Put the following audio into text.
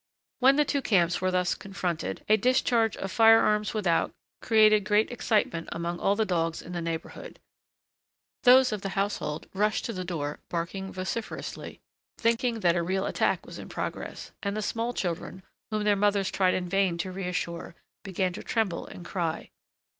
When the two camps were thus confronted, a discharge of fire arms without created great excitement among all the dogs in the neighborhood. Those of the household rushed to the door barking vociferously, thinking that a real attack was in progress, and the small children, whom their mothers tried in vain to reassure, began to tremble and cry.